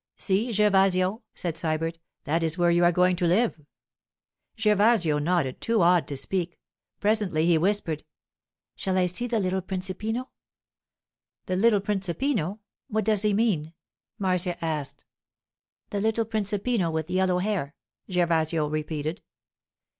'See, Gervasio,' said Sybert. 'That is where you are going to live.' Gervasio nodded, too awed to speak. Presently he whispered, 'Shall I see the little principino?' 'The little principino? what does he mean?' Marcia asked. 'The little principino with yellow hair,' Gervasio repeated.